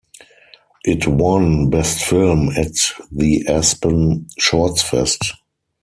It won "Best Film" at the Aspen Shortsfest.